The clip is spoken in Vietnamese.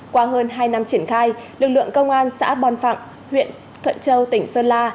qua hơn hai năm triển khai lực lượng công an xã bon phẳng huyện thuận châu tỉnh sơn la